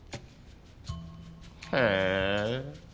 へえ。